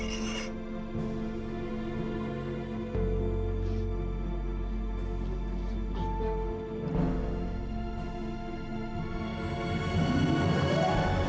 inum obat dulu ya